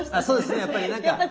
あそうですね。やっぱりなんか。